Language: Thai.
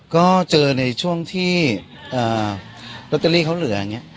ก็เจอในช่วงที่ลอตเตอรี่เขาเหลืออย่างนี้